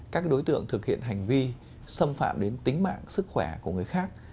các đối tượng thực hiện hành vi xâm phạm đến tính mạng sức khỏe của người khác